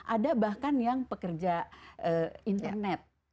ada bahkan yang pekerja internet